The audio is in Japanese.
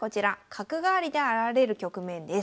角換わりで現れる局面です。